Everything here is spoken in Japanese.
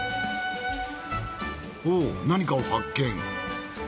おお何かを発見。